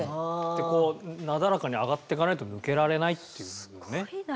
でこうなだらかに上がってかないと抜けられないっていうことね。